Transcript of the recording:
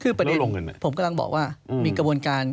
คือประเด็นผมกำลังบอกว่ามีกระบวนการ